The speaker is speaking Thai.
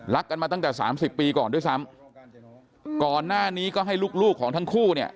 กันมาตั้งแต่สามสิบปีก่อนด้วยซ้ำก่อนหน้านี้ก็ให้ลูกลูกของทั้งคู่เนี่ย